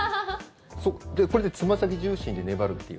これでつま先重心で粘るっていう。